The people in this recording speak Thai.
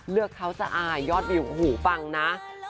เลือกเขาสะอายยอดวิวหูฟังนะ